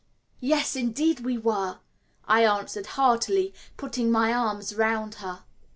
"Yes, indeed we were," I answered heartily, putting my arms round her.